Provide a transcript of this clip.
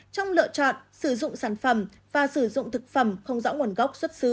trong lựa chọn sử dụng sản phẩm và sử dụng thực phẩm không rõ nguồn gốc xuất xứ